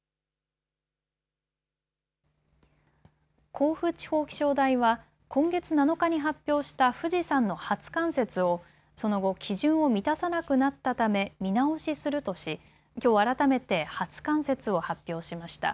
甲府地方気象台は今月７日に発表した富士山の初冠雪をその後、基準を満たさなくなったため見直しするとしきょう改めて初冠雪を発表しました。